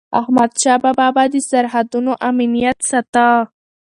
احمدشاه بابا به د سرحدونو امنیت ساته.